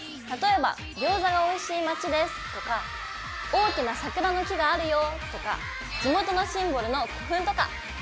例えば餃子がおいしい町ですとか大きな桜の木があるよとか地元のシンボルの古墳とか。